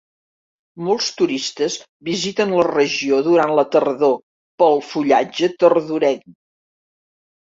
Molts turistes visiten la regió durant la tardor pel fullatge tardorenc.